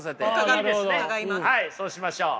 はいそうしましょう。